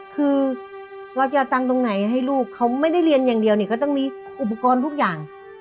คือเราจะเอาตังค์ตรงไหนให้ลูกเขาไม่ได้เรียนอย่างเดียวเนี่ยก็ต้องมีอุปกรณ์ทุกอย่าง